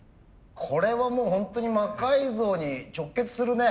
これはもうホントに「魔改造」に直結するね。